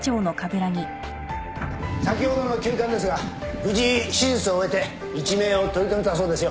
先ほどの急患ですが無事手術を終えて一命を取り留めたそうですよ